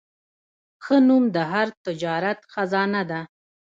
ښه نوم د هر تجارت خزانه ده.